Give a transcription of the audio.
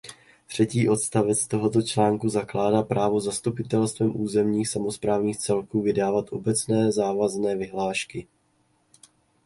Třetí odstavec tohoto článku zakládá právo zastupitelstvem územních samosprávných celků vydávat obecně závazné vyhlášky.